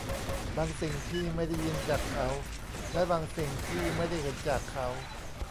บางสิ่งที่ไม่ได้ยินจากเขา และบางสิ่งที่ไม่ได้เห็นจากเขา